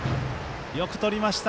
よくとりました。